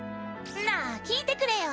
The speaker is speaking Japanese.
なあ聞いてくれよ